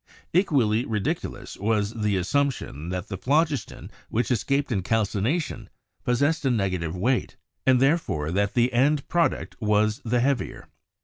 Equally ridiculous was the assumption that the phlogiston which escaped in calcination possessed a nega tive weight, and therefore that the end product was the heavier.